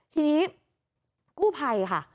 ทีนี้กู้ภัยค่ะ